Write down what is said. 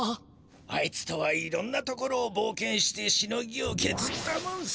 あいつとはいろんなところをぼうけんしてしのぎをけずったもんさ。